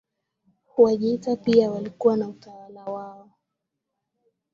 Wajita pia walikuwa na utawala wao